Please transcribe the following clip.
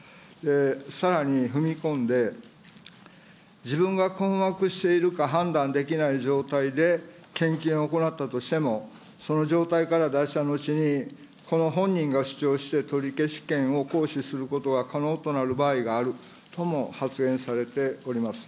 さらに踏み込んで、自分が困惑しているか判断できない状態で、献金を行ったとしても、その状態から脱した後に、この本人が主張して取消権を行使することは可能となる場合があるとも発言されております。